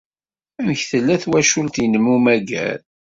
Amek tella twacult-nnem n ummager?